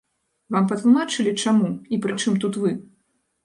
Вам патлумачылі, чаму, і прычым тут вы?